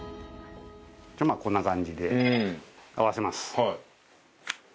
まあこんな感じで合わせます。